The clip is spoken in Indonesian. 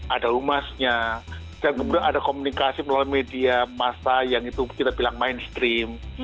ada humasnya dan kemudian ada komunikasi melalui media massa yang itu kita bilang mainstream